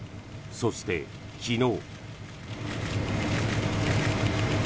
そして、昨日。